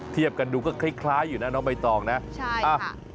เทียบกันดูก็คล้ายคล้ายอยู่นะน้องใบตองนะใช่อ่ะ